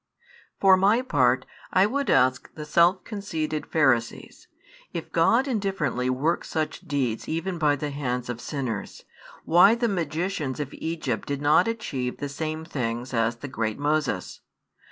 For my part, I would ask the self conceited Pharisees, if God indifferently works such deeds even by the hands of sinners, why the magicians of Egypt did not achieve the same things as the great Moses?